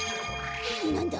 なんだ？